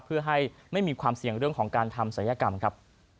เพื่อให้ไม่มีความเสี่ยงเรื่องของการทำศัยกรรมครับ